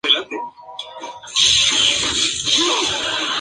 Hijo de Henry Saint-John, descendente del barón St.